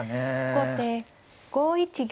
後手５一玉。